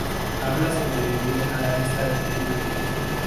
Habla sobre vivir a la vista del público.